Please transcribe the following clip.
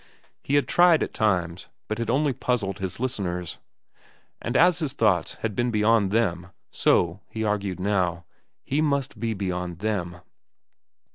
He had tried, at times, but had only puzzled his listeners. And as his thoughts had been beyond them, so, he argued now, he must be beyond them.